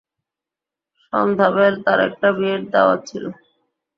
সন্ধ্যাবেল তাঁর একটা বিয়ের দাওয়াত ছিল।